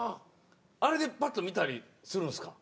あれでパッと見たりするんですか？